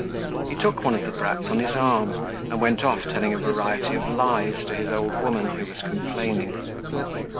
He took one of the brats on his arm, and went off telling a variety of lies to his old woman who was complaining.